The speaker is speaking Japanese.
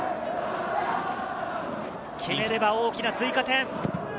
決めれば大きな追加点。